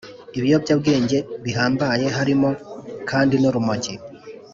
Ibiyobyabwenge bihambaye harimo kandi n’urumogi